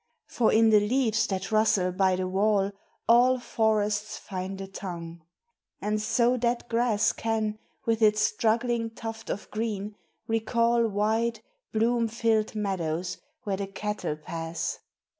For in the leaves that rustle by the wall All forests find a tongue. And so that grass Can, with its struggling tuft of green, recall Wide, bloom filled meadows where the cattle pass.